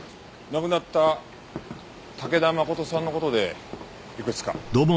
亡くなった武田誠さんの事でいくつか。